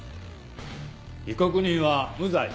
被告人は無罪。